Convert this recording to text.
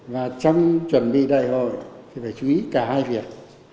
và trong chuẩn bị đại hội thì phải chú ý cả hai việc